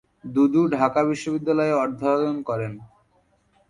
দুদু ঢাকা বিশ্ববিদ্যালয়ে অধ্যয়ন করেন।